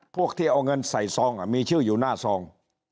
พวกที่เอาเงินใส่ซองมีชื่ออยู่หน้าซอง